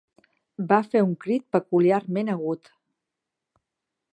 Va fer un crit peculiarment agut.